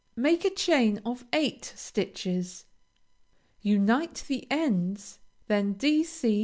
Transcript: Make a chain of eight stitches, unite the ends, and then D. C.